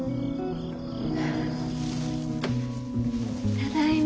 ただいま。